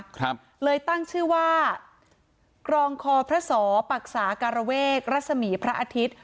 ครับเลยตั้งชื่อว่ากรองคอพระสอปรักษาการเวกรัศมีพระอาทิตย์